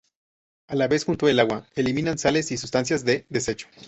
A la vez, junto al agua, eliminan sales y sustancias de desecho.